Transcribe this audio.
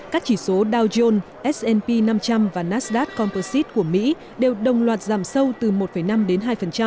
các chỉ số dow jones s p năm trăm linh và nasdad compersite của mỹ đều đồng loạt giảm sâu từ một năm đến hai